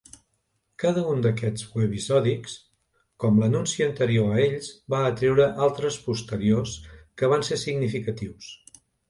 Cada un d'aquests webisòdics, com l'anunci anterior a ells, va atreure altres posteriors que van ser significatius..